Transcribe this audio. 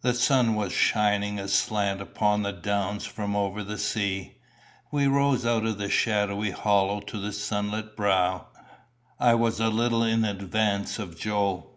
The sun was shining aslant upon the downs from over the sea. We rose out of the shadowy hollow to the sunlit brow. I was a little in advance of Joe.